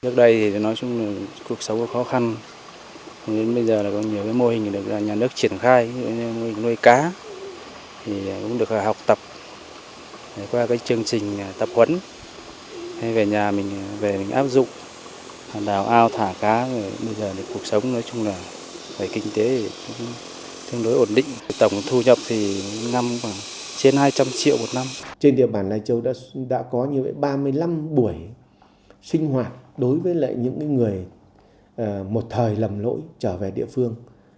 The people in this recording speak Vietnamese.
trên địa bản lai châu đã có ba mươi năm buổi sinh hoạt đối với những người một thời lầm lỗi trở về địa phương